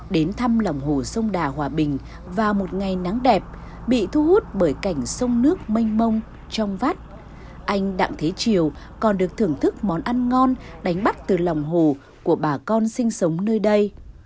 đến thăm lòng hồ sông đà hòa bình vào một ngày nắng đẹp bị thu hút bởi cảnh sông nước mênh mông trong vắt anh đặng thế triều còn được thưởng thức món ăn ngon đánh bắt từ lòng hồ của bà con sinh sống nơi đây